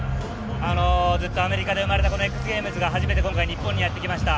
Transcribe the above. ずっとアメリカで生まれたＸＧａｍｅｓが日本にやってきました。